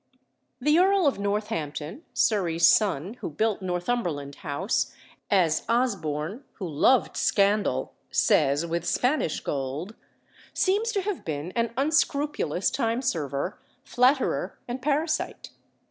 The Earl of Northampton, Surrey's son, who built Northumberland House (as Osborne, who loved scandal, says with Spanish gold), seems to have been an unscrupulous time server, flatterer, and parasite.